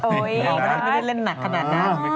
โอ้ยไม่ได้เล่นหนักขนาดนั้น